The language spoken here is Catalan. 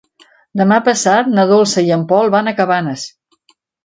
Demà passat na Dolça i en Pol van a Cabanes.